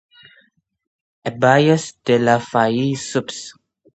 Abies delavayi subsp.